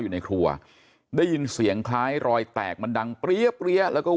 อยู่ในครัวได้ยินเสียงคล้ายรอยแตกมันดังเปรี้ยเปรี้ยแล้วก็